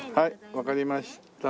わかりました。